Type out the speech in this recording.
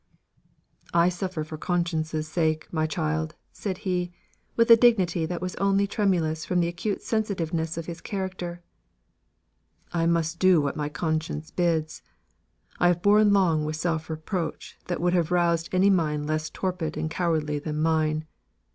"I suffer for conscience' sake, my child," said he, with a dignity that was only tremulous from the acute sensitiveness of his character; "I must do what my conscience bids. I have borne long with self reproach that would have roused any mind less torpid and cowardly than mine."